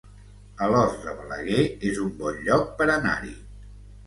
Alòs de Balaguer es un bon lloc per anar-hi